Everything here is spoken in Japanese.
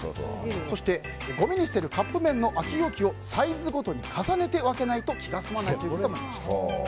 そして、ごみに捨てるカップ麺の空き容器をサイズごとに重ねて分けないと気が済まないという方もいました。